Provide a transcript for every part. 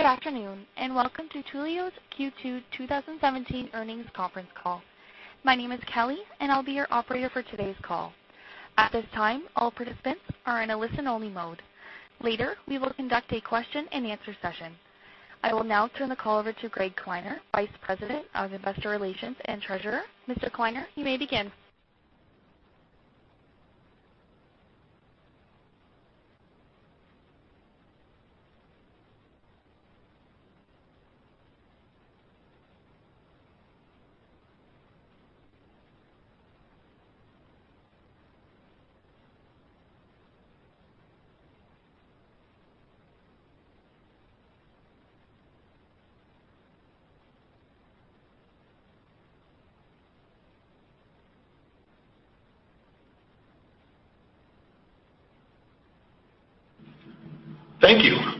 Good afternoon, welcome to Twilio's Q2 2017 earnings conference call. My name is Kelly, and I'll be your operator for today's call. At this time, all participants are in a listen-only mode. Later, we will conduct a question and answer session. I will now turn the call over to Greg Kleiner, Vice President of Investor Relations and Treasurer. Mr. Kleiner, you may begin. Thank you.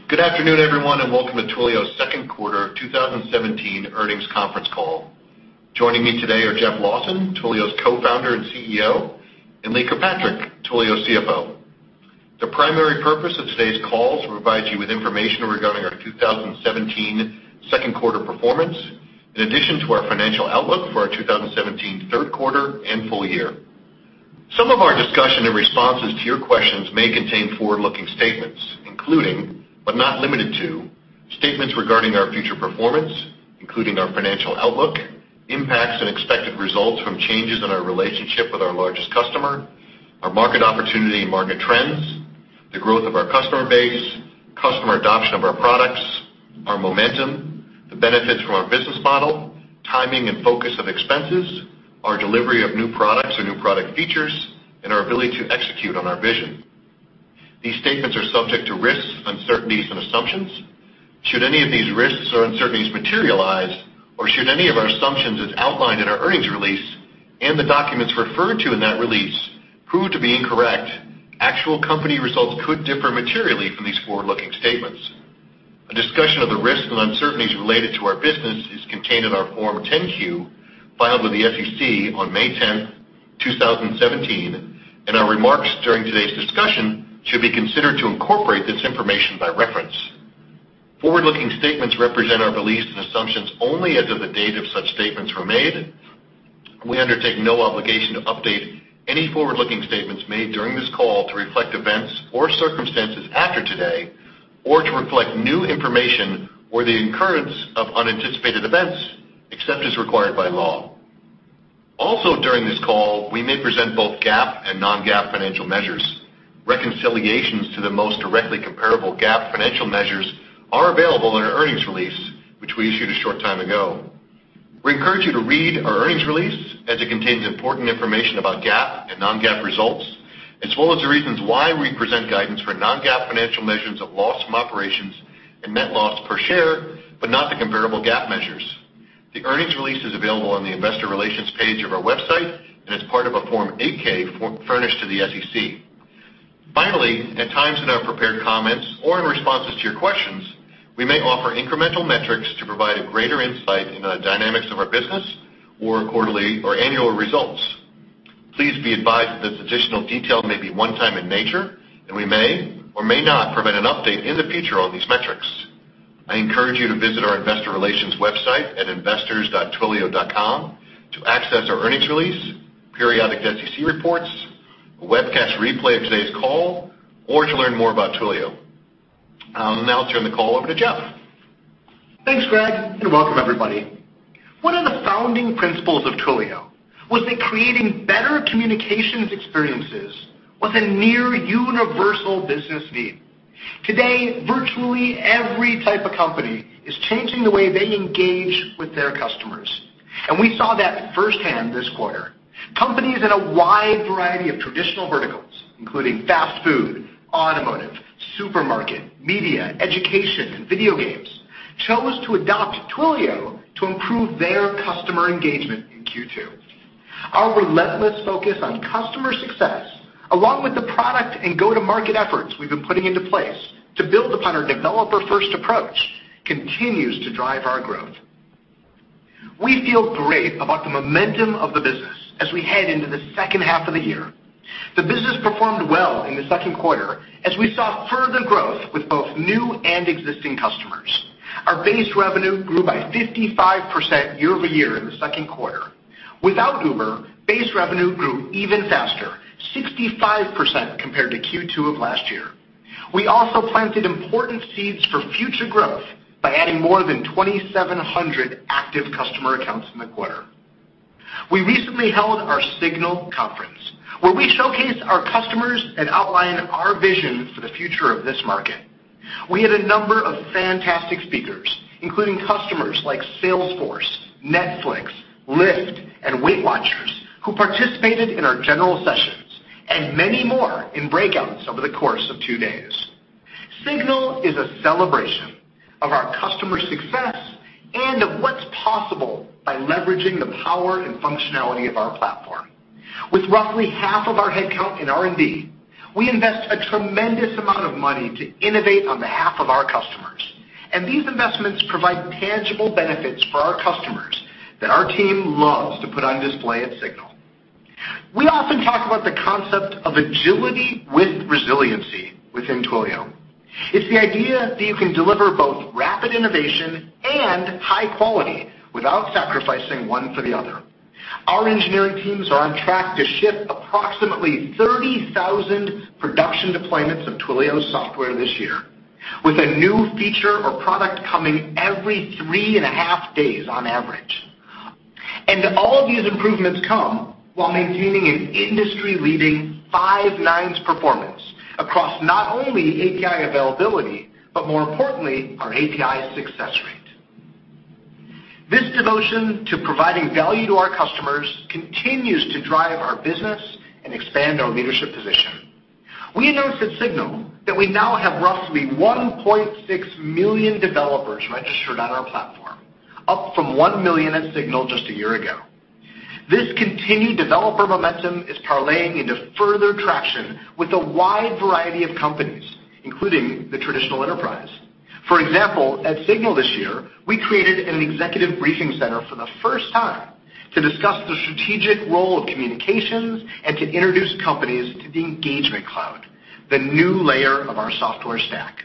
Good afternoon, everyone, welcome to Twilio's second quarter 2017 earnings conference call. Joining me today are Jeff Lawson, Twilio's Co-founder and CEO, and Lee Kirkpatrick, Twilio CFO. The primary purpose of today's call is to provide you with information regarding our 2017 second quarter performance, in addition to our financial outlook for our 2017 third quarter and full year. Some of our discussion and responses to your questions may contain forward-looking statements, including, but not limited to, statements regarding our future performance, including our financial outlook, impacts and expected results from changes in our relationship with our largest customer, our market opportunity and market trends, the growth of our customer base, customer adoption of our products, our momentum, the benefits from our business model, timing and focus of expenses, our delivery of new products or new product features, and our ability to execute on our vision. These statements are subject to risks, uncertainties, and assumptions. Should any of these risks or uncertainties materialize, or should any of our assumptions as outlined in our earnings release and the documents referred to in that release prove to be incorrect, actual company results could differ materially from these forward-looking statements. A discussion of the risks and uncertainties related to our business is contained in our Form 10-Q filed with the SEC on May 10th, 2017, and our remarks during today's discussion should be considered to incorporate this information by reference. Forward-looking statements represent our beliefs and assumptions only as of the date of such statements were made. We undertake no obligation to update any forward-looking statements made during this call to reflect events or circumstances after today, or to reflect new information or the occurrence of unanticipated events, except as required by law. Also during this call, we may present both GAAP and non-GAAP financial measures. Reconciliations to the most directly comparable GAAP financial measures are available in our earnings release, which we issued a short time ago. We encourage you to read our earnings release, as it contains important information about GAAP and non-GAAP results, as well as the reasons why we present guidance for non-GAAP financial measures of loss from operations and net loss per share, but not the comparable GAAP measures. The earnings release is available on the investor relations page of our website and is part of our Form 8-K furnished to the SEC. Finally, at times in our prepared comments or in responses to your questions, we may offer incremental metrics to provide a greater insight into the dynamics of our business or quarterly or annual results. Please be advised that this additional detail may be one-time in nature, and we may or may not provide an update in the future on these metrics. I encourage you to visit our investor relations website at investors.twilio.com to access our earnings release, periodic SEC reports, a webcast replay of today's call, or to learn more about Twilio. I will now turn the call over to Jeff. Thanks, Greg, and welcome everybody. One of the founding principles of Twilio was that creating better communications experiences was a near universal business need. Today, virtually every type of company is changing the way they engage with their customers, and we saw that firsthand this quarter. Companies in a wide variety of traditional verticals, including fast food, automotive, supermarket, media, education, and video games, chose to adopt Twilio to improve their customer engagement in Q2. Our relentless focus on customer success, along with the product and go-to-market efforts we've been putting into place to build upon our developer-first approach, continues to drive our growth. We feel great about the momentum of the business as we head into the second half of the year. The business performed well in the second quarter as we saw further growth with both new and existing customers. Our base revenue grew by 55% year-over-year in the second quarter. Without Uber, base revenue grew even faster, 65% compared to Q2 of last year. We also planted important seeds for future growth by adding more than 2,700 active customer accounts in the quarter. We recently held our SIGNAL conference, where we showcased our customers and outlined our vision for the future of this market. We had a number of fantastic speakers, including customers like Salesforce, Netflix, Lyft, and Weight Watchers, who participated in our general sessions, and many more in breakouts over the course of two days. SIGNAL is a celebration of our customers' success and of what's possible by leveraging the power and functionality of our platform. With roughly half of our headcount in R&D, we invest a tremendous amount of money to innovate on behalf of our customers, and these investments provide tangible benefits for our customers that our team loves to put on display at SIGNAL. We often talk about the concept of agility with resiliency within Twilio. It's the idea that you can deliver both rapid innovation and high quality without sacrificing one for the other. Our engineering teams are on track to ship approximately 30,000 production deployments of Twilio software this year, with a new feature or product coming every three and a half days on average. All these improvements come while maintaining an industry-leading five nines performance across not only API availability, but more importantly, our API success rate. This devotion to providing value to our customers continues to drive our business and expand our leadership position. We announced at SIGNAL that we now have roughly 1.6 million developers registered on our platform, up from 1 million at SIGNAL just a year ago. This continued developer momentum is parlaying into further traction with a wide variety of companies, including the traditional enterprise. For example, at SIGNAL this year, we created an executive briefing center for the first time to discuss the strategic role of communications and to introduce companies to the Engagement Cloud, the new layer of our software stack.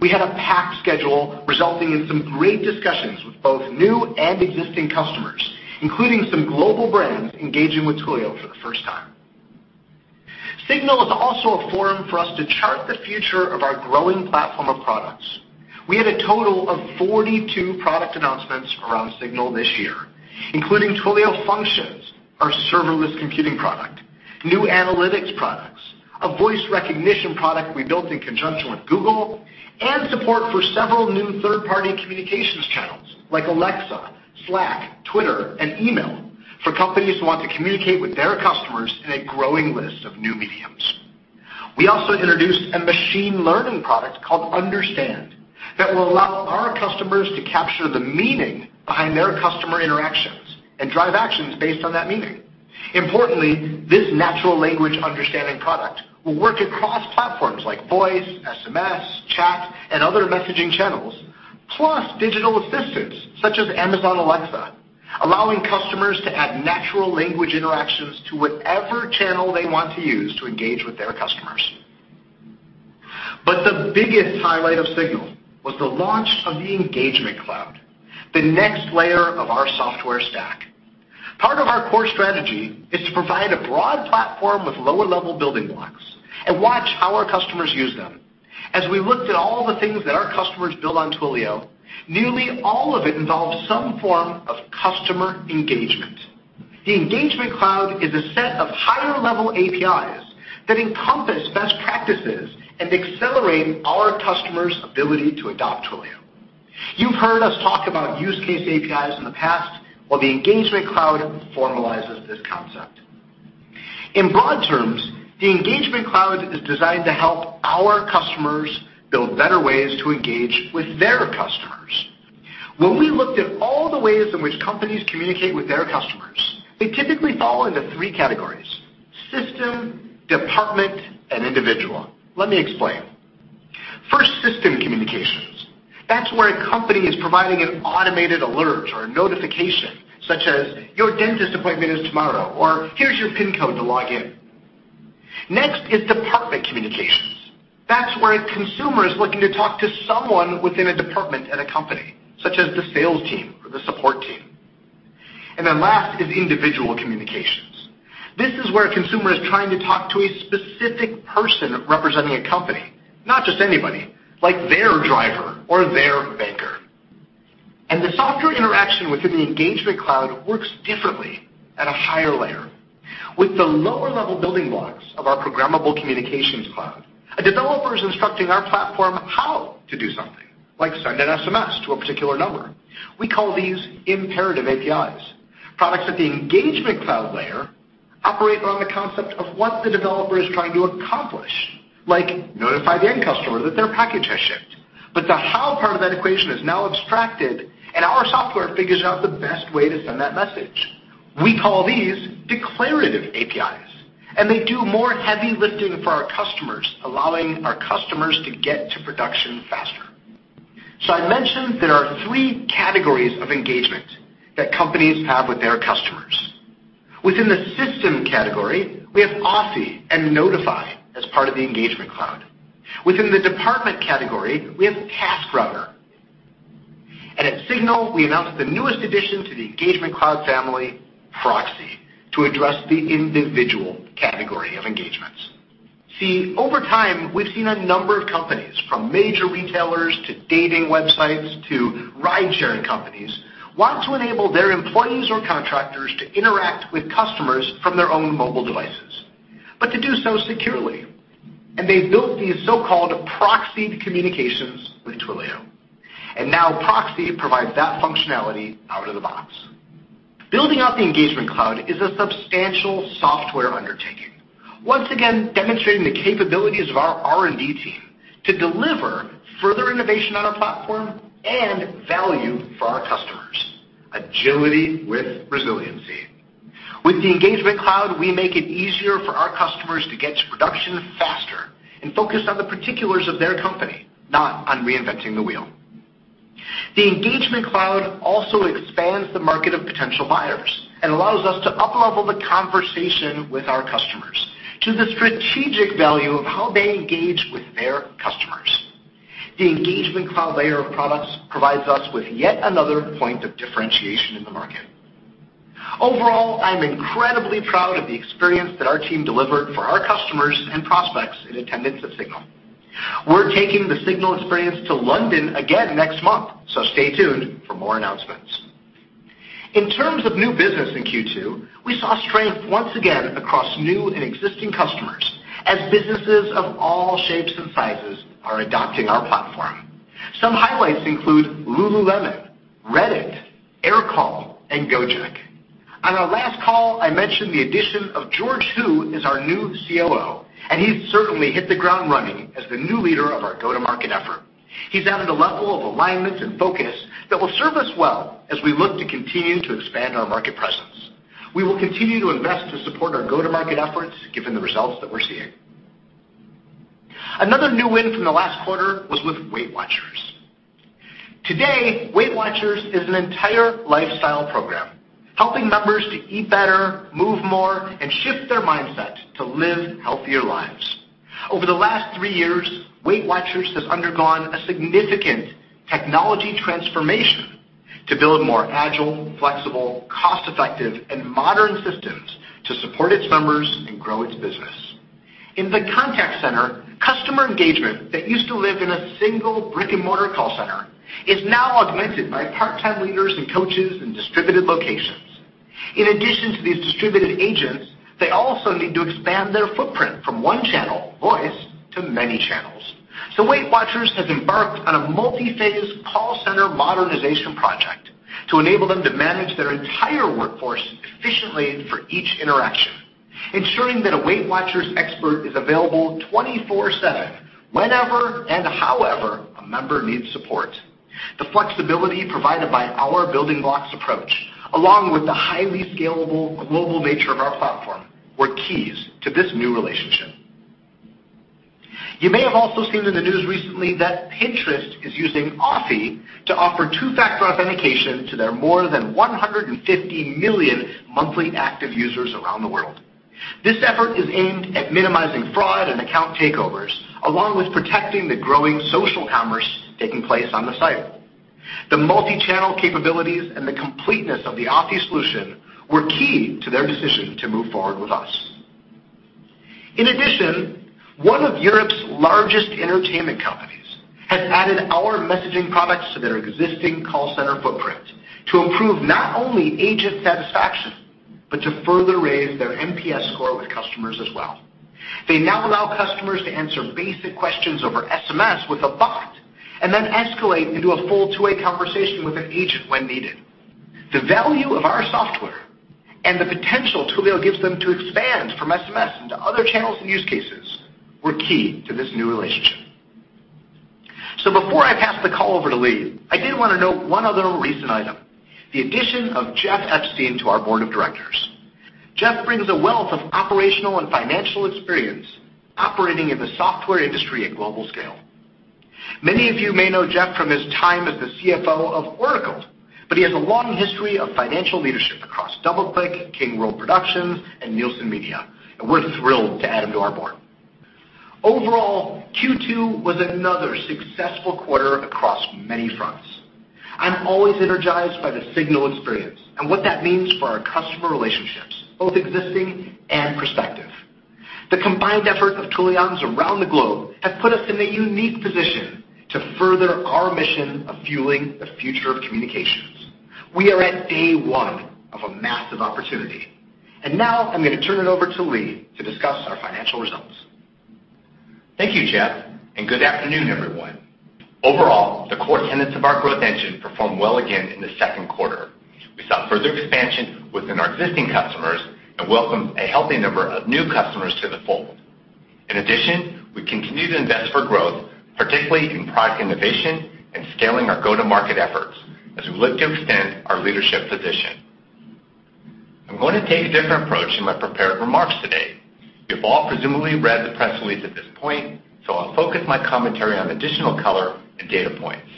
We had a packed schedule resulting in some great discussions with both new and existing customers, including some global brands engaging with Twilio for the first time. SIGNAL is also a forum for us to chart the future of our growing platform of products. We had a total of 42 product announcements around SIGNAL this year, including Twilio Functions, our serverless computing product, new analytics products, a voice recognition product we built in conjunction with Google, and support for several new third-party communications channels like Alexa, Slack, Twitter, and email for companies who want to communicate with their customers in a growing list of new mediums. We also introduced a machine learning product called Understand that will allow our customers to capture the meaning behind their customer interactions and drive actions based on that meaning. Importantly, this natural language understanding product will work across platforms like voice, SMS, chat, and other messaging channels, plus digital assistants such as Amazon Alexa, allowing customers to add natural language interactions to whatever channel they want to use to engage with their customers. The biggest highlight of SIGNAL was the launch of the Engagement Cloud, the next layer of our software stack. Part of our core strategy is to provide a broad platform with lower-level building blocks and watch how our customers use them. As we looked at all the things that our customers build on Twilio, nearly all of it involved some form of customer engagement. The Engagement Cloud is a set of higher-level APIs that encompass best practices and accelerate our customers' ability to adopt Twilio. You've heard us talk about use case APIs in the past, well, the Engagement Cloud formalizes this concept. In broad terms, the Engagement Cloud is designed to help our customers build better ways to engage with their customers. When we looked at all the ways in which companies communicate with their customers, they typically fall into 3 categories: system, department, and individual. Let me explain. First, system communications. That's where a company is providing an automated alert or a notification, such as, "Your dentist appointment is tomorrow," or, "Here's your pin code to log in." Next is department communications. That's where a consumer is looking to talk to someone within a department at a company, such as the sales team or the support team. Last is individual communications. This is where a consumer is trying to talk to a specific person representing a company, not just anybody, like their driver or their banker. The software interaction within the Engagement Cloud works differently at a higher layer. With the lower-level building blocks of our programmable communications cloud, a developer is instructing our platform how to do something, like send an SMS to a particular number. We call these imperative APIs. Products at the Engagement Cloud layer operate around the concept of what the developer is trying to accomplish, like notify the end customer that their package has shipped. The how part of that equation is now abstracted, and our software figures out the best way to send that message. We call these declarative APIs, and they do more heavy lifting for our customers, allowing our customers to get to production faster. I mentioned there are 3 categories of engagement that companies have with their customers. Within the system category, we have Authy and Notify as part of the Engagement Cloud. Within the department category, we have TaskRouter. At SIGNAL, we announced the newest addition to the Engagement Cloud family, Proxy, to address the individual category of engagements. Over time, we've seen a number of companies, from major retailers to dating websites to ride-sharing companies, want to enable their employees or contractors to interact with customers from their own mobile devices, but to do so securely. They've built these so-called proxied communications with Twilio. Now Proxy provides that functionality out of the box. Building out the Engagement Cloud is a substantial software undertaking, once again demonstrating the capabilities of our R&D team to deliver further innovation on our platform and value for our customers. Agility with resiliency. With the Engagement Cloud, we make it easier for our customers to get to production faster and focus on the particulars of their company, not on reinventing the wheel. The Engagement Cloud also expands the market of potential buyers and allows us to up-level the conversation with our customers to the strategic value of how they engage with their customers. The Engagement Cloud layer of products provides us with yet another point of differentiation in the market. Overall, I'm incredibly proud of the experience that our team delivered for our customers and prospects in attendance at SIGNAL. We're taking the SIGNAL experience to London again next month, stay tuned for more announcements. In terms of new business in Q2, we saw strength once again across new and existing customers, as businesses of all shapes and sizes are adopting our platform. Some highlights include Lululemon, Reddit, Aircall and Gojek. On our last call, I mentioned the addition of George Hu as our new COO, he's certainly hit the ground running as the new leader of our go-to-market effort. He's added a level of alignment and focus that will serve us well as we look to continue to expand our market presence. We will continue to invest to support our go-to-market efforts, given the results that we're seeing. Another new win from the last quarter was with Weight Watchers. Today, Weight Watchers is an entire lifestyle program, helping members to eat better, move more, and shift their mindset to live healthier lives. Over the last three years, Weight Watchers has undergone a significant technology transformation to build more agile, flexible, cost-effective, and modern systems to support its members and grow its business. In the contact center, customer engagement that used to live in a single brick-and-mortar call center is now augmented by part-time leaders and coaches in distributed locations. In addition to these distributed agents, they also need to expand their footprint from one channel, voice, to many channels. Weight Watchers has embarked on a multi-phase call center modernization project to enable them to manage their entire workforce efficiently for each interaction, ensuring that a Weight Watchers expert is available 24/7, whenever and however a member needs support. The flexibility provided by our building blocks approach, along with the highly scalable global nature of our platform, were keys to this new relationship. You may have also seen in the news recently that Pinterest is using Authy to offer two-factor authentication to their more than 150 million monthly active users around the world. This effort is aimed at minimizing fraud and account takeovers, along with protecting the growing social commerce taking place on the site. The multi-channel capabilities and the completeness of the Authy solution were key to their decision to move forward with us. In addition, one of Europe's largest entertainment companies has added our messaging products to their existing call center footprint to improve not only agent satisfaction, but to further raise their NPS score with customers as well. They now allow customers to answer basic questions over SMS with a bot, and then escalate into a full two-way conversation with an agent when needed. The value of our software and the potential Twilio gives them to expand from SMS into other channels and use cases were key to this new relationship. Before I pass the call over to Lee, I did want to note one other recent item, the addition of Jeff Epstein to our board of directors. Jeff brings a wealth of operational and financial experience operating in the software industry at global scale. Many of you may know Jeff from his time as the CFO of Oracle, but he has a long history of financial leadership across DoubleClick, King World Productions, and Nielsen Media, and we're thrilled to add him to our board. Overall, Q2 was another successful quarter across many fronts. I'm always energized by the SIGNAL experience and what that means for our customer relationships, both existing and prospective. The combined effort of Twilians around the globe have put us in a unique position to further our mission of fueling the future of communications. We are at day one of a massive opportunity. Now I'm going to turn it over to Lee to discuss our financial results. Thank you, Jeff, and good afternoon, everyone. Overall, the core tenets of our growth engine performed well again in the second quarter. We saw further expansion within our existing customers and welcomed a healthy number of new customers to the fold. In addition, we continued to invest for growth, particularly in product innovation and scaling our go-to-market efforts as we look to extend our leadership position. I'm going to take a different approach in my prepared remarks today. You've all presumably read the press release at this point, I'll focus my commentary on additional color and data points.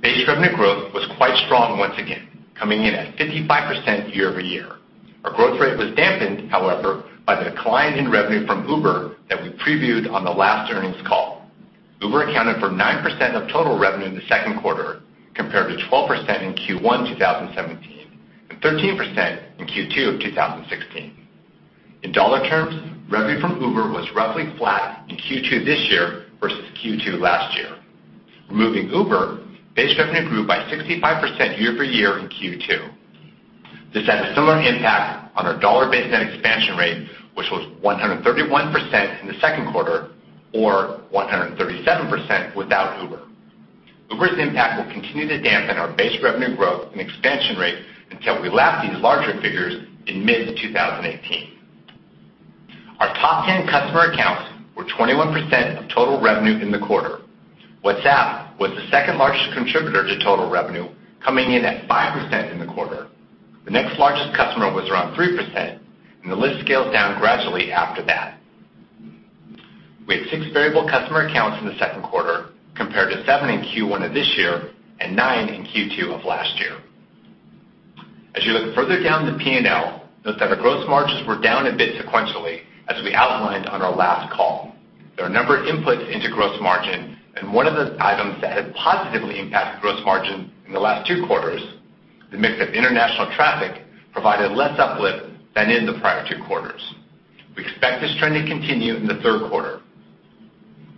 Base revenue growth was quite strong once again, coming in at 55% year-over-year. Our growth rate was dampened, however, by the decline in revenue from Uber that we previewed on the last earnings call. Uber accounted for 9% of total revenue in the second quarter, compared to 12% in Q1 2017 and 13% in Q2 of 2016. In dollar terms, revenue from Uber was roughly flat in Q2 this year versus Q2 last year. Removing Uber, base revenue grew by 65% year-over-year in Q2. This had a similar impact on our dollar-based net expansion rate, which was 131% in the second quarter or 137% without Uber. Uber's impact will continue to dampen our base revenue growth and expansion rate until we lap these larger figures in mid-2018. Our top 10 customer accounts were 21% of total revenue in the quarter. WhatsApp was the second-largest contributor to total revenue, coming in at 5% in the quarter. The next largest customer was around 3%, and the list scales down gradually after that. We had six variable customer accounts in the second quarter, compared to seven in Q1 of this year and nine in Q2 of last year. As you look further down the P&L, note that our gross margins were down a bit sequentially, as we outlined on our last call. There are a number of inputs into gross margin, and one of the items that had positively impacted gross margin in the last two quarters, the mix of international traffic, provided less uplift than in the prior two quarters. We expect this trend to continue in the third quarter.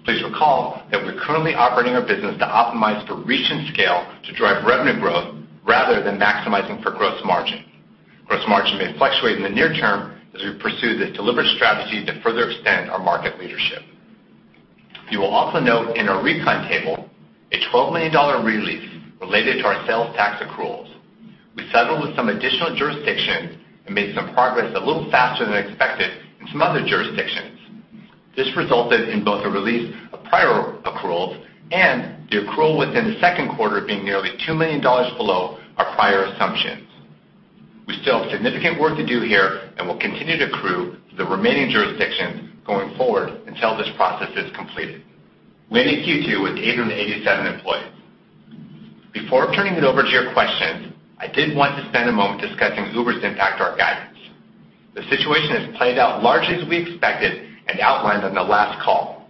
Please recall that we're currently operating our business to optimize for reach and scale to drive revenue growth rather than maximizing for gross margin. Gross margin may fluctuate in the near term as we pursue this deliberate strategy to further extend our market leadership. You will also note in our recon table a $12 million release related to our sales tax accruals. We settled with some additional jurisdictions and made some progress a little faster than expected in some other jurisdictions. This resulted in both a release of prior accruals and the accrual within the second quarter being nearly $2 million below our prior assumptions. We still have significant work to do here and will continue to accrue the remaining jurisdictions going forward until this process is completed. We ended Q2 with 887 employees. Before turning it over to your questions, I did want to spend a moment discussing Uber's impact to our guidance. The situation has played out largely as we expected and outlined on the last call.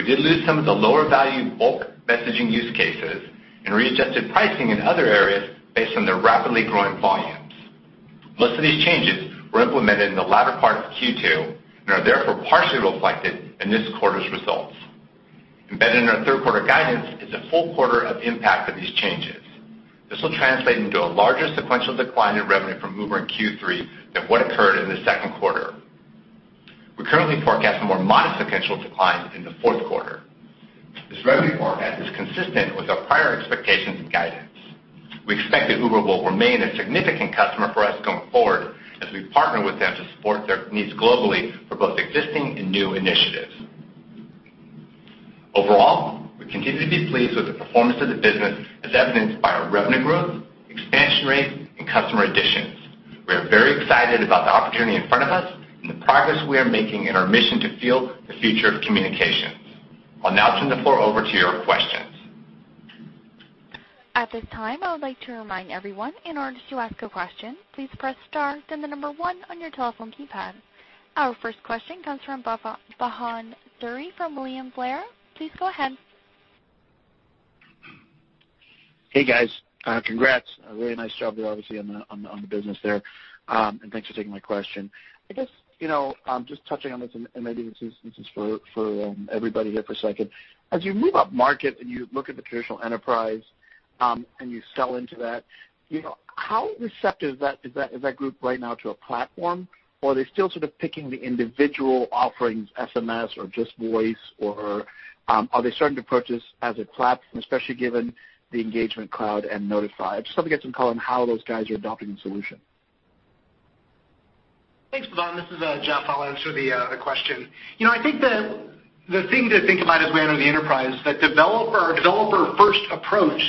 We did lose some of the lower-value bulk messaging use cases and readjusted pricing in other areas based on their rapidly growing volumes. Most of these changes were implemented in the latter part of Q2 and are therefore partially reflected in this quarter's results. Embedded in our third quarter guidance is a full quarter of impact of these changes. This will translate into a larger sequential decline in revenue from Uber in Q3 than what occurred in the second quarter. We currently forecast a more modest sequential decline in the fourth quarter. This revenue forecast is consistent with our prior expectations and guidance. We expect that Uber will remain a significant customer for us going forward as we partner with them to support their needs globally for both existing and new initiatives. Overall, we continue to be pleased with the performance of the business as evidenced by our revenue growth, expansion rate, and customer additions. We are very excited about the opportunity in front of us and the progress we are making in our mission to fuel the future of communications. I'll now turn the floor over to your questions. At this time, I would like to remind everyone, in order to ask a question, please press star then number 1 on your telephone keypad. Our first question comes from Bhavan Suri from William Blair. Please go ahead. Hey, guys. Congrats. A very nice job there, obviously, on the business there, thanks for taking my question. I guess, just touching on this, and maybe this is for everybody here for a second, as you move upmarket and you look at the traditional enterprise and you sell into that, how receptive is that group right now to a platform? Are they still sort of picking the individual offerings, SMS or just voice? Are they starting to purchase as a platform, especially given the Engagement Cloud and Notify? I'd just love to get some color on how those guys are adopting the solution. Thanks, Bhavan. This is Jeff. I'll answer the question. I think the thing to think about as we enter the enterprise is that our developer-first approach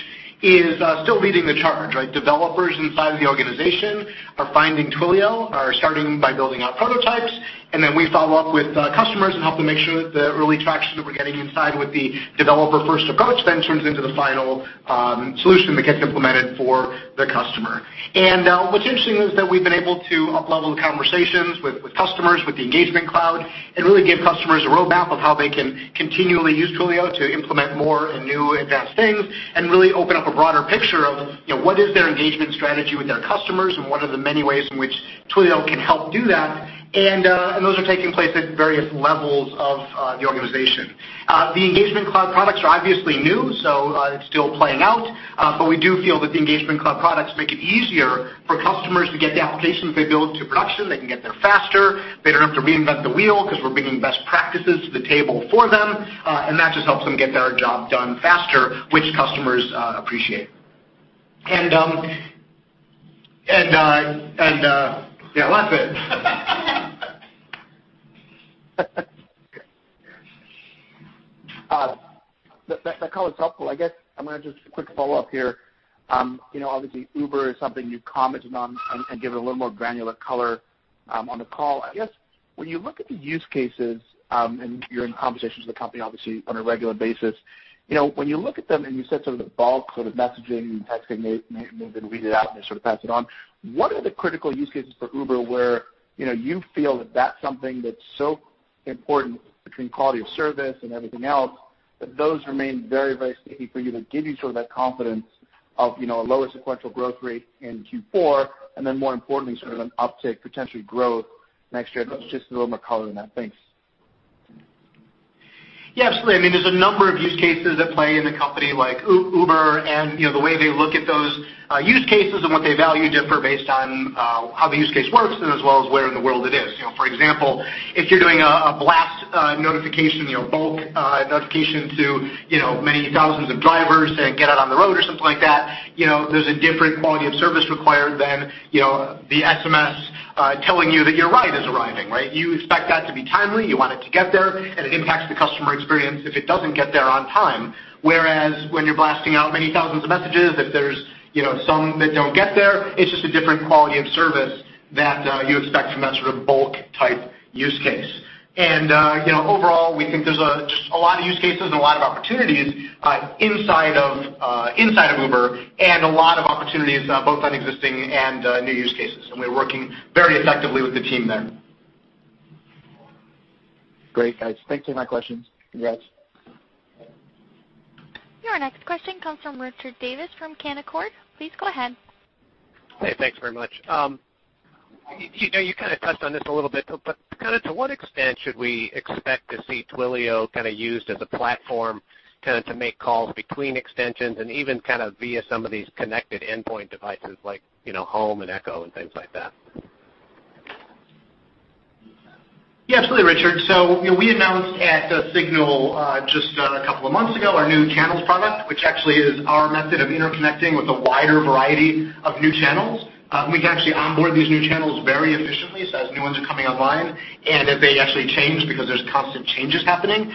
is still leading the charge, right? Developers inside the organization are finding Twilio, are starting by building out prototypes, and then we follow up with customers and help them make sure that the early traction that we're getting inside with the developer-first approach then turns into the final solution that gets implemented for the customer. What's interesting is that we've been able to up-level the conversations with customers, with the Engagement Cloud, and really give customers a roadmap of how they can continually use Twilio to implement more and new advanced things and really open up a broader picture of what is their engagement strategy with their customers and what are the many ways in which Twilio can help do that. Those are taking place at various levels of the organization. The Engagement Cloud products are obviously new, it's still playing out. We do feel that the Engagement Cloud products make it easier for customers to get the applications they build to production. They can get there faster. They don't have to reinvent the wheel because we're bringing best practices to the table for them, and that just helps them get their job done faster, which customers appreciate. Yeah, well, that's it. That color's helpful. I guess I'm going to just quick follow-up here. Obviously Uber is something you commented on and give it a little more granular color on the call. I guess, when you look at the use cases, and you're in conversations with the company, obviously, on a regular basis, when you look at them and you said some of the bulk sort of messaging and texting may have been weeded out and they sort of pass it on, what are the critical use cases for Uber where you feel that that's something that's so important between quality of service and everything else, that those remain very sticky for you to give you sort of that confidence of a lower sequential growth rate in Q4, and then more importantly, sort of an uptick, potentially growth next year. If you could just give a little more color on that. Thanks. Yeah, absolutely. I mean, there's a number of use cases at play in a company like Uber, the way they look at those use cases and what they value differ based on how the use case works and as well as where in the world it is. For example, if you're doing a blast notification, bulk notification to many thousands of drivers saying, "Get out on the road," or something like that- There's a different quality of service required than the SMS telling you that your ride is arriving, right? You expect that to be timely, you want it to get there, and it impacts the customer experience if it doesn't get there on time. Whereas when you're blasting out many thousands of messages, if there's some that don't get there, it's just a different quality of service that you expect from that sort of bulk type use case. Overall, we think there's just a lot of use cases and a lot of opportunities inside of Uber and a lot of opportunities both on existing and new use cases, and we're working very effectively with the team there. Great, guys. Thanks for my questions. Congrats. Your next question comes from Richard Davis from Canaccord. Please go ahead. Hey, thanks very much. You kind of touched on this a little bit, but to what extent should we expect to see Twilio used as a platform to make calls between extensions and even via some of these connected endpoint devices like Home and Echo and things like that? Yeah, absolutely, Richard. We announced at SIGNAL just a couple of months ago, our new channels product, which actually is our method of interconnecting with a wider variety of new channels. We can actually onboard these new channels very efficiently as new ones are coming online, and if they actually change because there's constant changes happening.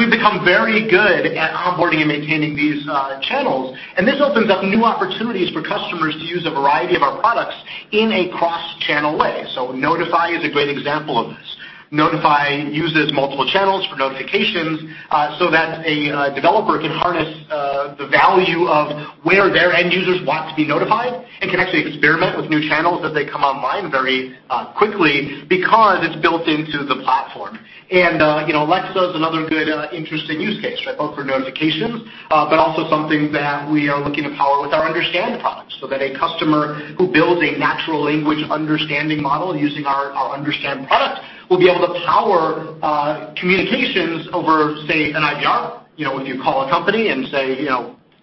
We've become very good at onboarding and maintaining these channels. This opens up new opportunities for customers to use a variety of our products in a cross-channel way. Notify is a great example of this. Notify uses multiple channels for notifications, so that a developer can harness the value of where their end users want to be notified and can actually experiment with new channels as they come online very quickly because it's built into the platform. Alexa is another good, interesting use case, both for notifications, but also something that we are looking to power with our Understand product, so that a customer who builds a natural language understanding model using our Understand product will be able to power communications over, say, an IVR. When you call a company and say,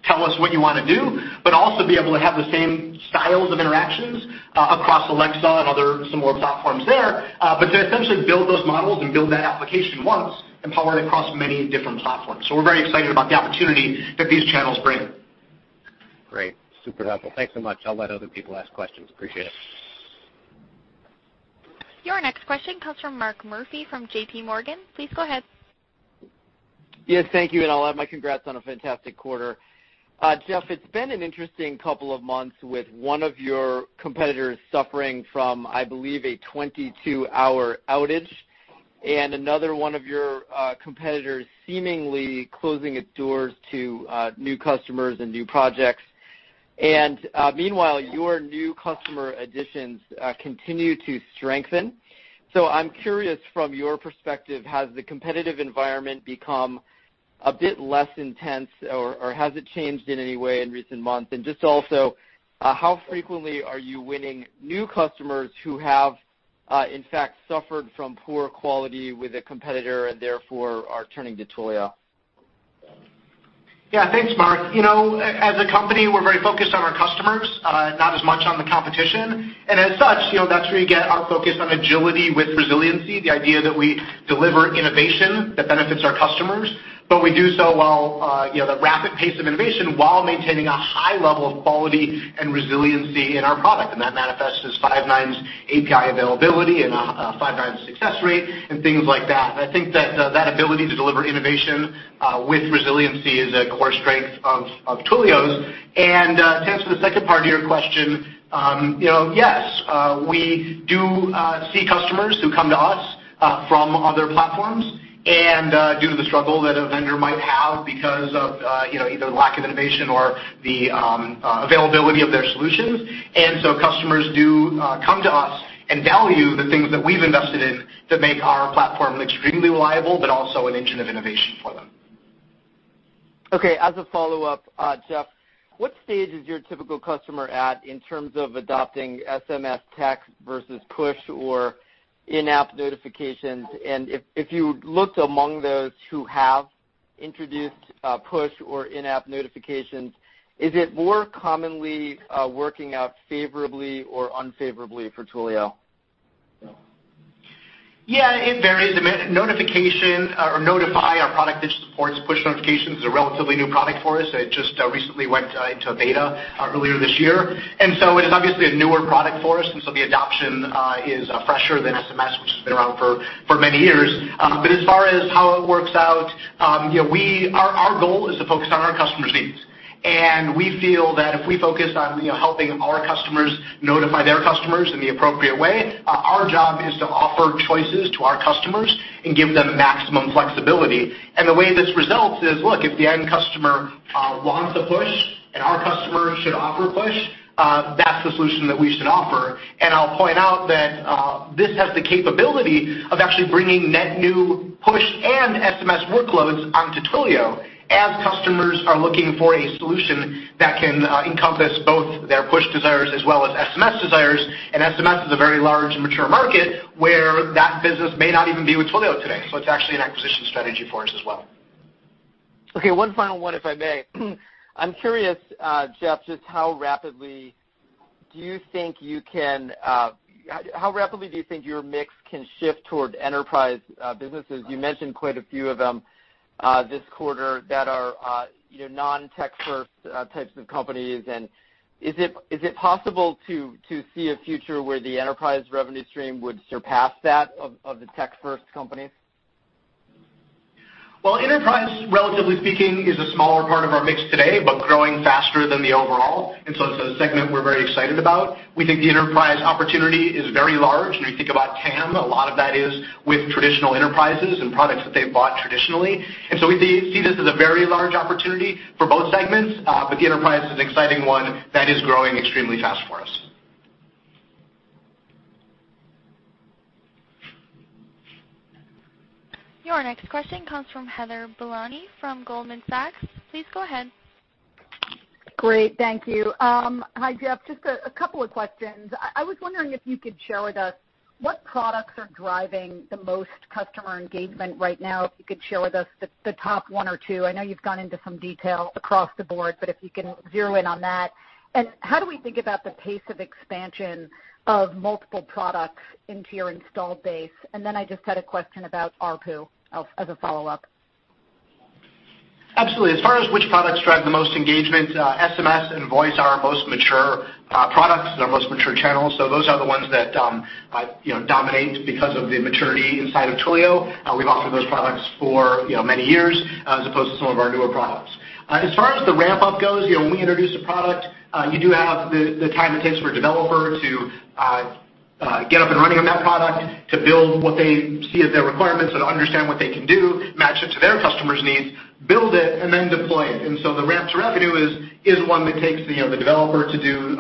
"Tell us what you want to do," but also be able to have the same styles of interactions across Alexa and other similar platforms there. To essentially build those models and build that application once and power it across many different platforms. We're very excited about the opportunity that these channels bring. Great. Super helpful. Thanks so much. I'll let other people ask questions. Appreciate it. Your next question comes from Mark Murphy from JPMorgan. Please go ahead. Thank you. I'll add my congrats on a fantastic quarter. Jeff, it's been an interesting couple of months with one of your competitors suffering from, I believe, a 22-hour outage, and another one of your competitors seemingly closing its doors to new customers and new projects. Meanwhile, your new customer additions continue to strengthen. I'm curious, from your perspective, has the competitive environment become a bit less intense, or has it changed in any way in recent months? Just also, how frequently are you winning new customers who have, in fact, suffered from poor quality with a competitor, and therefore are turning to Twilio? Thanks, Mark. As a company, we're very focused on our customers, not as much on the competition. As such, that's where you get our focus on agility with resiliency, the idea that we deliver innovation that benefits our customers, but we do so while the rapid pace of innovation while maintaining a high level of quality and resiliency in our product. That manifests as five nines API availability and a five nines success rate and things like that. I think that ability to deliver innovation with resiliency is a core strength of Twilio's. To answer the second part of your question, yes, we do see customers who come to us from other platforms, due to the struggle that a vendor might have because of either lack of innovation or the availability of their solutions. Customers do come to us and value the things that we've invested in that make our platform extremely reliable, but also an engine of innovation for them. As a follow-up, Jeff, what stage is your typical customer at in terms of adopting SMS text versus push or in-app notifications? If you looked among those who have introduced push or in-app notifications, is it more commonly working out favorably or unfavorably for Twilio? It varies. Notify, our product that supports push notifications, is a relatively new product for us. It just recently went into beta earlier this year. It is obviously a newer product for us, so the adoption is fresher than SMS, which has been around for many years. As far as how it works out, our goal is to focus on our customers' needs. We feel that if we focus on helping our customers notify their customers in the appropriate way, our job is to offer choices to our customers and give them maximum flexibility. The way this results is, look, if the end customer wants a push and our customer should offer push, that's the solution that we should offer. I'll point out that this has the capability of actually bringing net new push and SMS workloads onto Twilio as customers are looking for a solution that can encompass both their push desires as well as SMS desires. SMS is a very large mature market where that business may not even be with Twilio today, so it's actually an acquisition strategy for us as well. Okay, one final one, if I may. I'm curious, Jeff, just how rapidly do you think your mix can shift toward enterprise businesses? You mentioned quite a few of them this quarter that are non-tech first types of companies. Is it possible to see a future where the enterprise revenue stream would surpass that of the tech first companies? Well, enterprise, relatively speaking, is a smaller part of our mix today, but growing faster than the overall. It's a segment we're very excited about. We think the enterprise opportunity is very large. When you think about TAM, a lot of that is with traditional enterprises and products that they've bought traditionally. We see this as a very large opportunity for both segments. The enterprise is an exciting one that is growing extremely fast for us. Your next question comes from Heather Bellini from Goldman Sachs. Please go ahead. Great. Thank you. Hi, Jeff. Just a couple of questions. I was wondering if you could share with us what products are driving the most customer engagement right now, if you could share with us the top one or two. If you can zero in on that. How do we think about the pace of expansion of multiple products into your installed base? I just had a question about ARPU as a follow-up. Absolutely. As far as which products drive the most engagement, SMS and voice are our most mature products and our most mature channels. Those are the ones that dominate because of the maturity inside of Twilio. We've offered those products for many years as opposed to some of our newer products. As far as the ramp-up goes, when we introduce a product, you do have the time it takes for a developer to get up and running on that product, to build what they see as their requirements, to understand what they can do, match it to their customer's needs, build it, and then deploy it. The ramp to revenue is one that takes the developer to do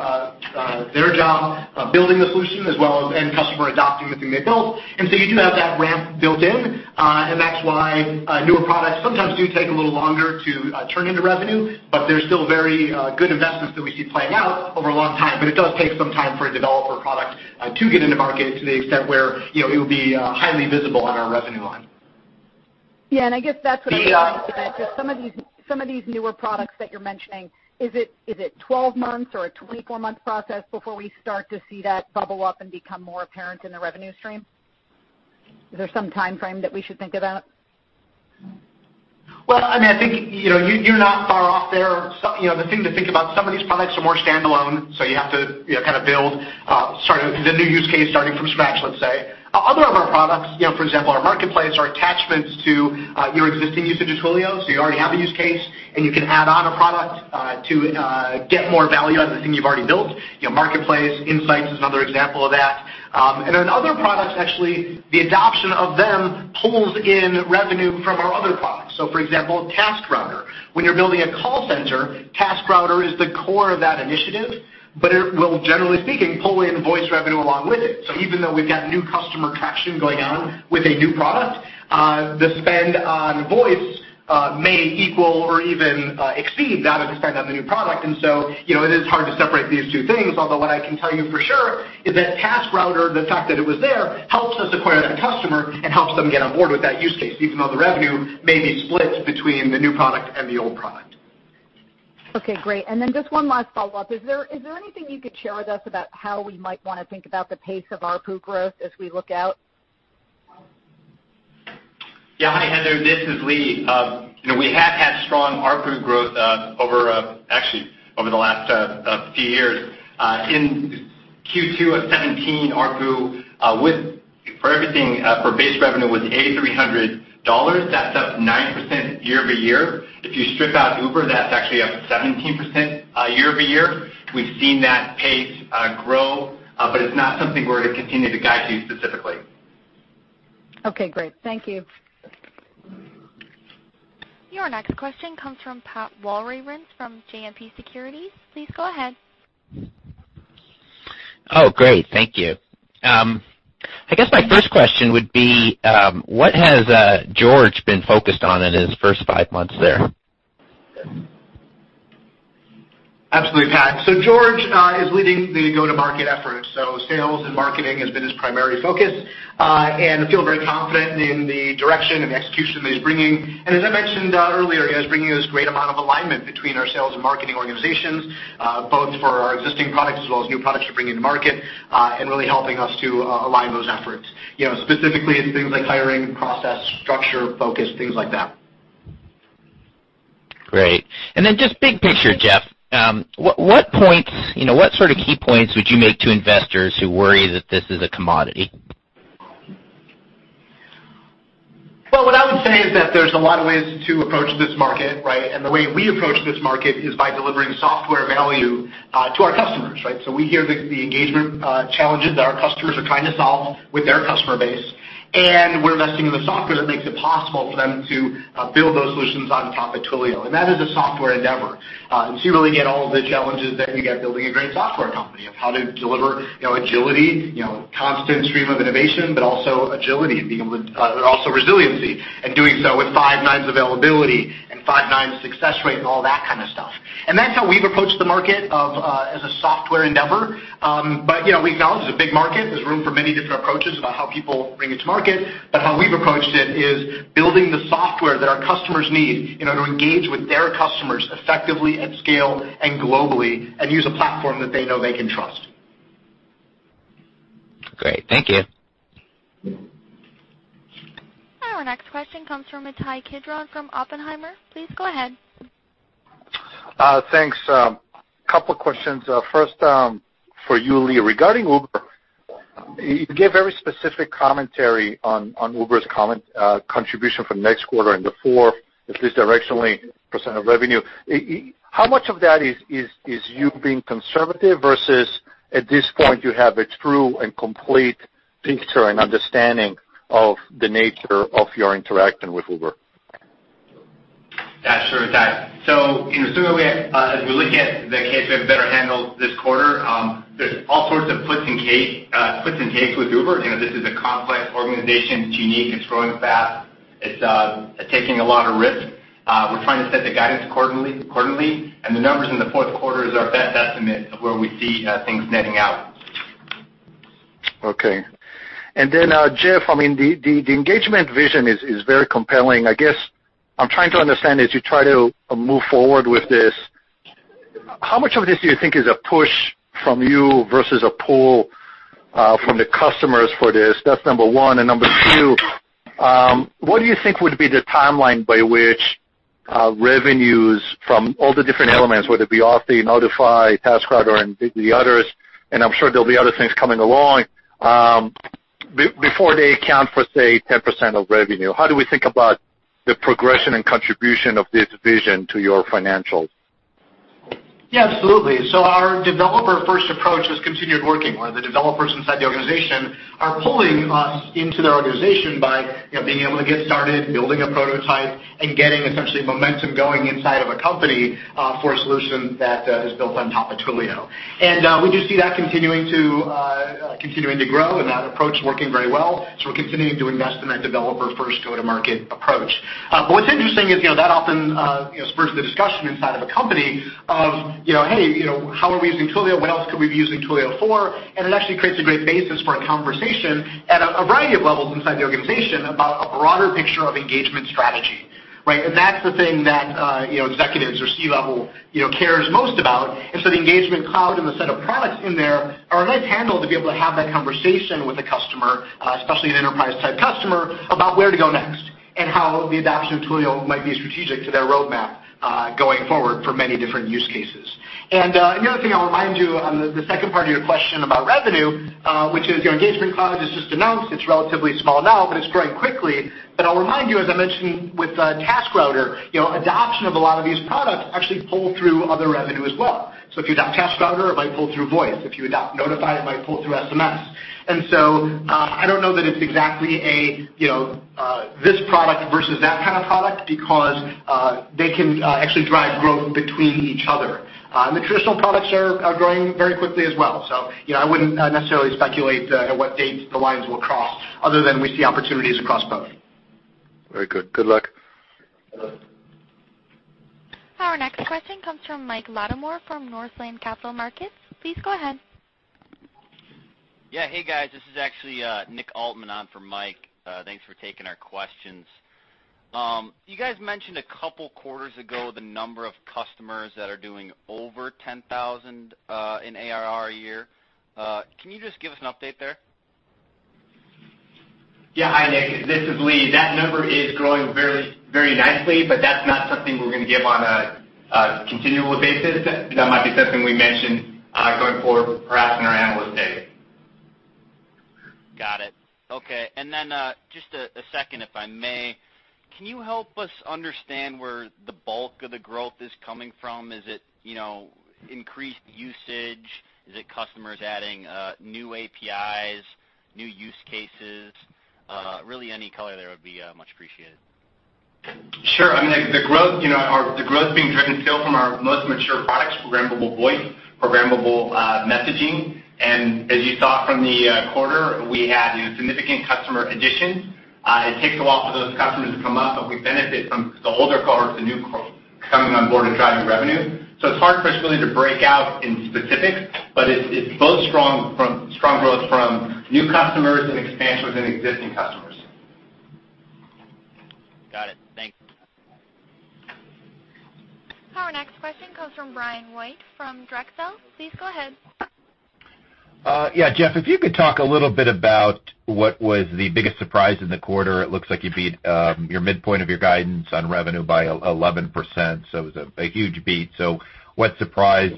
their job building the solution as well as end customer adopting the thing they built. You do have that ramp built in, and that's why newer products sometimes do take a little longer to turn into revenue, but they're still very good investments that we see playing out over a long time. It does take some time for a developer product to get into market to the extent where it will be highly visible on our revenue line. Yeah, I guess that's what I was getting to, that just some of these newer products that you're mentioning, is it 12 months or a 24-month process before we start to see that bubble up and become more apparent in the revenue stream? Is there some timeframe that we should think about? Well, I think you are not far off there. The thing to think about, some of these products are more standalone, so you have to kind of build the new use case starting from scratch, let's say. Other of our products, for example, our marketplace are attachments to your existing usage of Twilio. You already have a use case, and you can add on a product to get more value out of the thing you have already built. Marketplace Insights is another example of that. Other products, actually, the adoption of them pulls in revenue from our other products. For example, TaskRouter. When you are building a call center, TaskRouter is the core of that initiative, but it will, generally speaking, pull in voice revenue along with it. Even though we have got new customer traction going on with a new product, the spend on voice may equal or even exceed that of the spend on the new product. It is hard to separate these two things, although what I can tell you for sure is that TaskRouter, the fact that it was there, helps us acquire that customer and helps them get on board with that use case, even though the revenue may be split between the new product and the old product. Okay, great. Just one last follow-up. Is there anything you could share with us about how we might want to think about the pace of ARPU growth as we look out? Yeah. Hi, Heather, this is Lee. We have had strong ARPU growth, actually, over the last few years. In Q2 of 2017, ARPU for base revenue was $8,300. That is up 9% year-over-year. If you strip out Uber, that is actually up 17% year-over-year. We have seen that pace grow, but it is not something we are going to continue to guide to specifically. Okay, great. Thank you. Your next question comes from Pat Walravens from JMP Securities. Please go ahead. Great. Thank you. I guess my first question would be, what has George been focused on in his first five months there? Absolutely, Pat. George is leading the go-to-market effort, so sales and marketing has been his primary focus, and I feel very confident in the direction and execution that he's bringing. As I mentioned earlier, he is bringing this great amount of alignment between our sales and marketing organizations, both for our existing products as well as new products we're bringing to market, and really helping us to align those efforts. Specifically in things like hiring process, structure, focus, things like that. Great. Just big picture, Jeff, what sort of key points would you make to investors who worry that this is a commodity? What I would say is that there's a lot of ways to approach this market, right? The way we approach this market is by delivering software value to our customers, right? We hear the engagement challenges that our customers are trying to solve with their customer base, and we're investing in the software that makes it possible for them to build those solutions on top of Twilio. That is a software endeavor. You really get all of the challenges that you get building a great software company, of how to deliver agility, constant stream of innovation, but also agility, and also resiliency, and doing so with five nines availability and five nines success rate, and all that kind of stuff. That's how we've approached the market as a software endeavor. We acknowledge it's a big market. There's room for many different approaches about how people bring it to market. How we've approached it is building the software that our customers need in order to engage with their customers effectively, at scale, and globally, and use a platform that they know they can trust. Great. Thank you. Our next question comes from Ittai Kidron from Oppenheimer. Please go ahead. Thanks. Couple questions. First, for you, Lee, regarding Uber, you gave very specific commentary on Uber's contribution for next quarter and before, at least directionally, % of revenue. How much of that is you being conservative versus at this point you have a true and complete picture and understanding of the nature of your interaction with Uber? Yeah, sure, Ittai. As we look at the case we have better handled this quarter, there's all sorts of puts and takes with Uber. This is a complex organization. It's unique. It's growing fast. It's taking a lot of risk. We're trying to set the guidance accordingly, and the numbers in the fourth quarter is our best estimate of where we see things netting out. Okay. Jeff, the engagement vision is very compelling. I guess I'm trying to understand as you try to move forward with this, how much of this do you think is a push from you versus a pull from the customers for this? That's number one. Number two, what do you think would be the timeline by which revenues from all the different elements, whether it be Authy, Notify, TaskRouter, and the others, and I'm sure there'll be other things coming along, before they account for, say, 10% of revenue? How do we think about the progression and contribution of this vision to your financials? Absolutely. Our developer-first approach has continued working, where the developers inside the organization are pulling us into their organization by being able to get started, building a prototype, and getting essentially momentum going inside of a company for a solution that is built on top of Twilio. We do see that continuing to grow and that approach working very well, so we're continuing to invest in that developer-first go-to-market approach. What's interesting is that often spurs the discussion inside of a company of, "Hey, how are we using Twilio? What else could we be using Twilio for?" It actually creates a great basis for a conversation at a variety of levels inside the organization about a broader picture of engagement strategy. Right. That's the thing that executives or C-level cares most about. The Engagement Cloud and the set of products in there are a nice handle to be able to have that conversation with a customer, especially an enterprise-type customer, about where to go next and how the adoption of Twilio might be strategic to their roadmap going forward for many different use cases. The other thing I'll remind you on the second part of your question about revenue, which is Engagement Cloud is just announced. It's relatively small now, but it's growing quickly. I'll remind you, as I mentioned with TaskRouter, adoption of a lot of these products actually pull through other revenue as well. If you adopt TaskRouter, it might pull through voice. If you adopt Notify, it might pull through SMS. I don't know that it's exactly a this product versus that kind of product because they can actually drive growth between each other. The traditional products are growing very quickly as well. I wouldn't necessarily speculate at what date the lines will cross other than we see opportunities across both. Very good. Good luck. Our next question comes from Michael Latimore from Northland Capital Markets. Please go ahead. Yeah. Hey, guys. This is actually Nick Altmann on for Mike. Thanks for taking our questions. You guys mentioned a couple quarters ago the number of customers that are doing over 10,000 in ARR a year. Can you just give us an update there? Yeah. Hi, Nick. This is Lee. That number is growing very nicely, that's not something we're going to give on a continual basis. That might be something we mention going forward, perhaps in our Analyst Day. Got it. Okay. Then just a second, if I may. Can you help us understand where the bulk of the growth is coming from? Is it increased usage? Is it customers adding new APIs, new use cases? Really any color there would be much appreciated. Sure. The growth being driven still from our most mature products, programmable voice, programmable messaging, and as you saw from the quarter, we had significant customer additions. It takes a while for those customers to come up, but we benefit from the older cohorts, the new coming on board and driving revenue. It's hard for us really to break out in specifics, but it's both strong growth from new customers and expansion within existing customers. Got it. Thanks. Our next question comes from Ryan Lowry from Drexel. Please go ahead. Yeah. Jeff, if you could talk a little bit about what was the biggest surprise in the quarter. It looks like you beat your midpoint of your guidance on revenue by 11%, it was a huge beat. What surprised?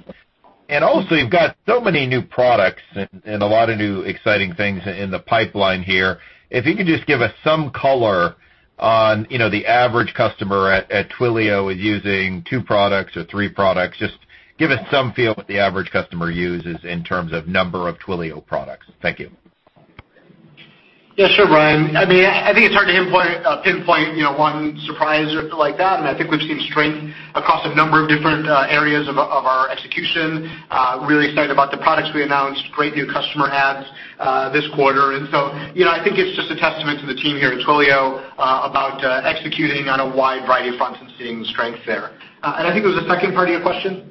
Also, you've got so many new products and a lot of new exciting things in the pipeline here. If you could just give us some color on the average customer at Twilio is using two products or three products. Just give us some feel what the average customer uses in terms of number of Twilio products. Thank you. Sure, Ryan. I think it's hard to pinpoint one surprise like that. I think we've seen strength across a number of different areas of our execution. Really excited about the products we announced, great new customer adds this quarter. I think it's just a testament to the team here at Twilio about executing on a wide variety of fronts and seeing the strength there. I think there was a second part of your question?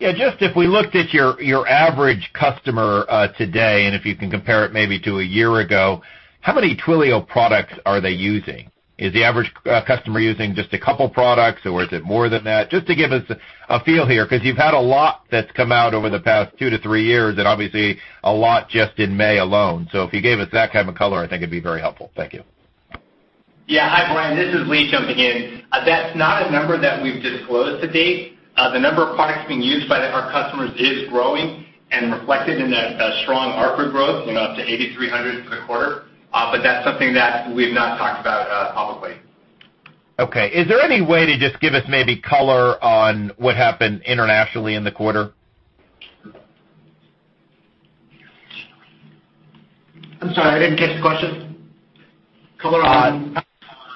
Just if we looked at your average customer today, and if you can compare it maybe to a year ago, how many Twilio products are they using? Is the average customer using just a couple products or is it more than that? Just to give us a feel here, because you've had a lot that's come out over the past two to three years, and obviously a lot just in May alone. If you gave us that kind of color, I think it'd be very helpful. Thank you. Hi, Ryan. This is Lee jumping in. That's not a number that we've disclosed to date. The number of products being used by our customers is growing and reflected in that strong ARPU growth, up to $8,300 for the quarter. That's something that we've not talked about publicly. Is there any way to just give us maybe color on what happened internationally in the quarter? I'm sorry, I didn't catch the question. Color on?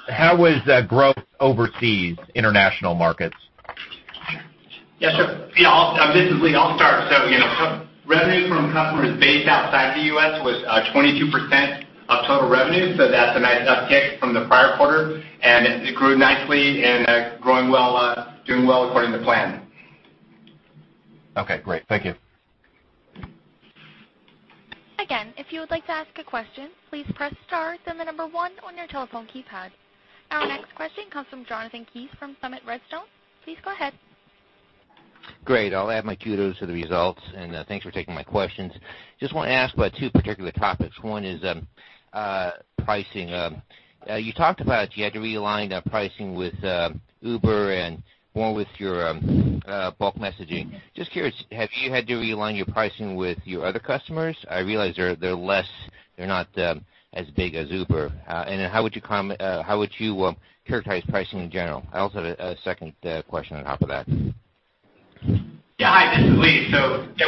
How was growth overseas, international markets? Yes, sir. This is Lee. I'll start. Revenue from customers based outside the U.S. was 22% of total revenue. That's a nice uptick from the prior quarter, and it grew nicely, and doing well according to plan. Okay, great. Thank you. If you would like to ask a question, please press star then the number one on your telephone keypad. Our next question comes from Jonathan Kees from Summit Redstone. Please go ahead. Great. I'll add my kudos to the results and thanks for taking my questions. Just want to ask about two particular topics. One is pricing. You talked about you had to realign the pricing with Uber and more with your bulk messaging. Just curious, have you had to realign your pricing with your other customers? I realize they're not as big as Uber. How would you characterize pricing in general? I also have a second question on top of that. Hi, this is Leigh.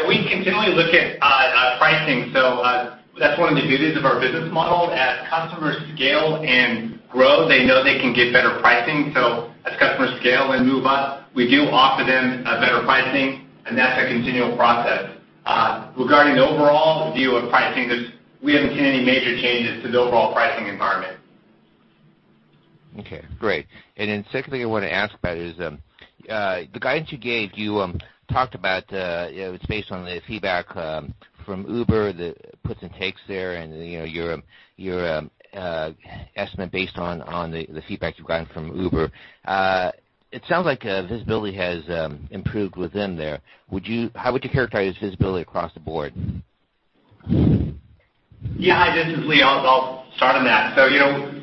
We continually look at pricing. That's one of the beauties of our business model. As customers scale and grow, they know they can get better pricing. As customers scale and move up, we do offer them better pricing, and that's a continual process. Regarding the overall view of pricing, we haven't seen any major changes to the overall pricing environment. Okay. Great. Secondly, I want to ask about is, the guidance you gave, you talked about it's based on the feedback from Uber, the puts and takes there, and your estimate based on the feedback you've gotten from Uber. It sounds like visibility has improved with them there. How would you characterize visibility across the board? Yeah. Hi, this is Lee. I'll start on that.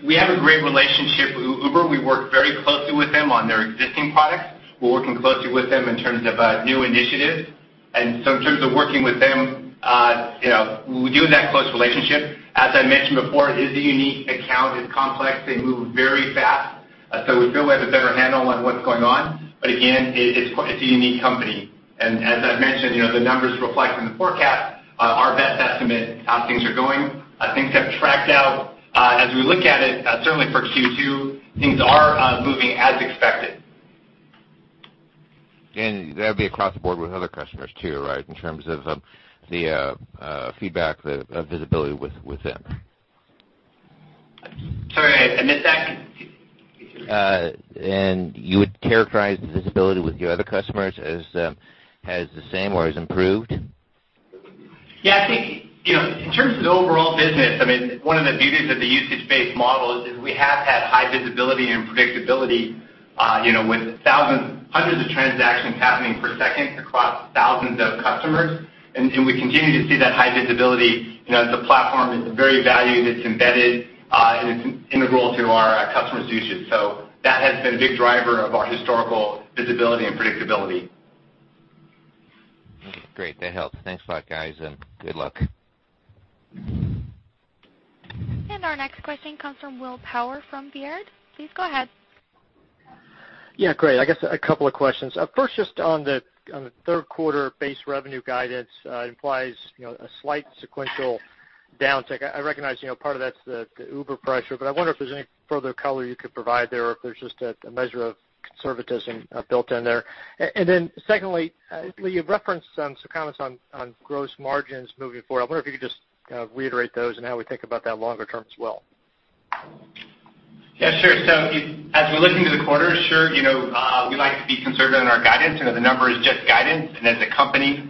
We have a great relationship with Uber. We work very closely with them on their existing products. We're working closely with them in terms of new initiatives. In terms of working with them, we do have that close relationship. As I mentioned before, it is a unique account. It's complex. They move very fast. We feel we have a better handle on what's going on. Again, it's a unique company. As I've mentioned, the numbers reflect in the forecast our best estimate how things are going. Things have tracked out. As we look at it, certainly for Q2, things are moving as expected. That'd be across the board with other customers too, right? In terms of the feedback, the visibility with them. Sorry, I missed that. Could you repeat? You would characterize the visibility with your other customers as the same or as improved? I think in terms of the overall business, one of the beauties of the usage-based model is we have had high visibility and predictability with hundreds of transactions happening per second across thousands of customers, and we continue to see that high visibility. The platform is very valued. It's embedded and it's integral to our customers' usage. That has been a big driver of our historical visibility and predictability. Great. That helps. Thanks a lot, guys, and good luck. Our next question comes from William Power from Baird. Please go ahead. Yeah, great. I guess a couple of questions. First, just on the third quarter base revenue guidance implies a slight sequential downtick. I recognize part of that's the Uber pressure, but I wonder if there's any further color you could provide there or if there's just a measure of conservatism built in there. Secondly, you referenced some comments on gross margins moving forward. I wonder if you could just reiterate those and how we think about that longer term as well. Yeah, sure. As we look into the quarter, sure, we like to be conservative in our guidance and that the number is just guidance. As a company,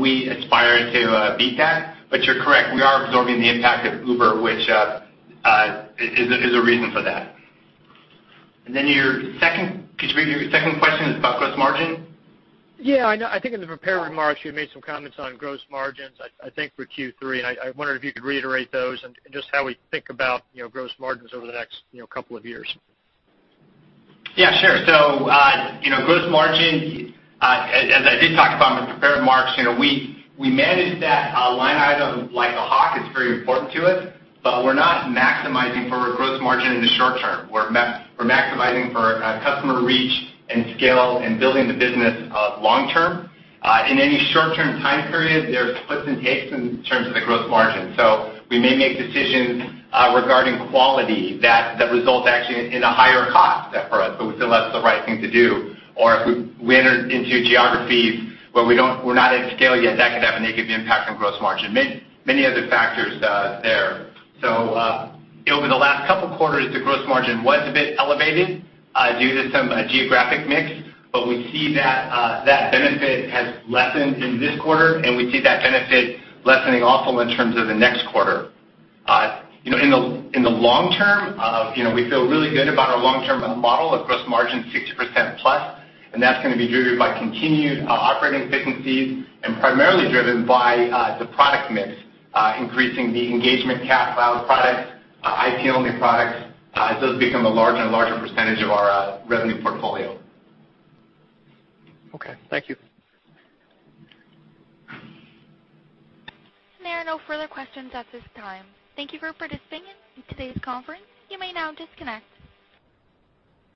we aspire to beat that. You're correct, we are absorbing the impact of Uber, which is a reason for that. Could you repeat your second question about gross margin? Yeah, I think in the prepared remarks, you had made some comments on gross margins, I think for Q3, and I wondered if you could reiterate those and just how we think about gross margins over the next couple of years. Yeah, sure. Gross margin, as I did talk about in the prepared remarks, we manage that line item like a hawk. It's very important to us, but we're not maximizing for gross margin in the short term. We're maximizing for customer reach and scale and building the business long term. In any short-term time period, there's puts and takes in terms of the gross margin. We may make decisions regarding quality that result actually in a higher cost for us, but we feel that's the right thing to do. If we enter into geographies where we're not at scale yet, that could have a negative impact on gross margin. Many other factors there. Over the last couple quarters, the gross margin was a bit elevated due to some geographic mix, but we see that benefit has lessened in this quarter, and we see that benefit lessening also in terms of the next quarter. In the long term, we feel really good about our long-term model of gross margin 60% plus, and that's going to be driven by continued operating efficiencies and primarily driven by the product mix, increasing the Engagement Cloud products, CPaaS products, IP-only products. Those become a larger and larger percentage of our revenue portfolio. Okay, thank you. There are no further questions at this time. Thank you for participating in today's conference. You may now disconnect.